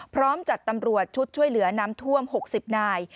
พร้อมจัดตำรวจชุดช่วยเหลือน้ำท่วม๖๐นาย